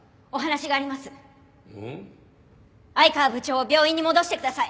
愛川部長を病院に戻してください。